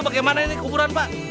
bagaimana ini kuburan pak